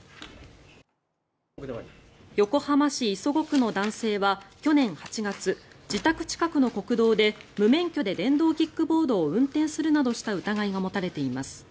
横浜市磯子区の男性は去年８月自宅近くの国道で無免許で電動キックボードを運転するなどした疑いが持たれています。